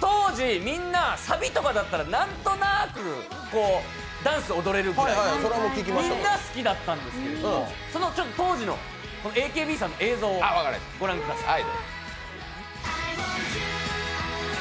当時、みんなサビとかだったら何となくダンス踊れるみたいなみんな好きだったんですけど当時のＡＫＢさんの映像をご覧ください。